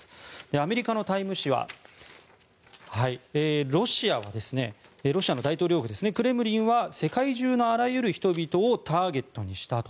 アメリカの「タイム」誌はロシアの大統領府クレムリンは世界中のあらゆる人々をターゲットにしたと。